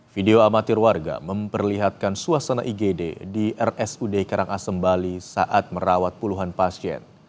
video amatir warga memperlihatkan suasana igd di rsud karangasem bali saat merawat puluhan pasien